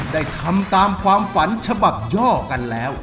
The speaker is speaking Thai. ได้ทำตามความฝันฉบับย่อกันแล้ว